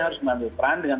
harus memandu peran dengan